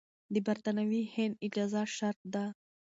د برتانوي هند اجازه شرط ده.